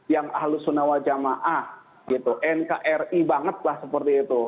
yang ahlus sunawajama'ah nkri bangetlah seperti itu